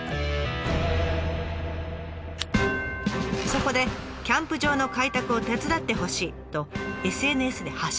そこでキャンプ場の開拓を手伝ってほしいとＳＮＳで発信。